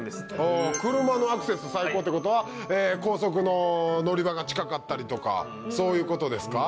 ああ車のアクセス最高ってことは高速の乗り場が近かったりとかそういうことですか？